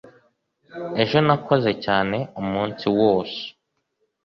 ejo nakoze cyane umunsi wose